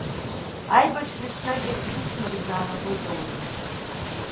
Аибашьра еснагь агәҭынчымра изаанагоит ауаҩы.